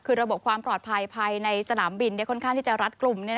คือระบบความปลอดภัยภายในสนามบินค่อนข้างที่จะรัดกลุ่ม